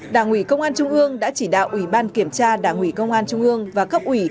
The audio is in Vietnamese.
đảng ủy công an trung ương đã chỉ đạo ủy ban kiểm tra đảng ủy công an trung ương và cấp ủy